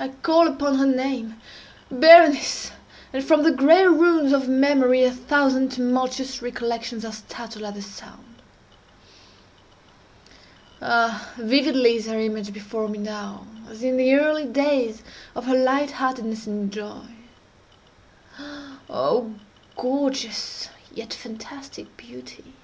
—I call upon her name—Berenice!—and from the gray ruins of memory a thousand tumultuous recollections are startled at the sound! Ah, vividly is her image before me now, as in the early days of her light heartedness and joy! Oh, gorgeous yet fantastic beauty!